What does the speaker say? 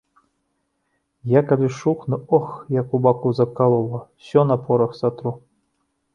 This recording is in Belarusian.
Я калі шухну, ох, як у баку закалола, усё на порах сатру.